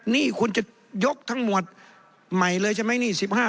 นี่คุณจะยกทั้งหมดใหม่เลยใช่ไหมนี่๑๕